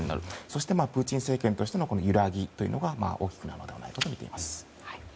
そして、プーチン政権としての揺らぎが大きくなるのではないかとみています。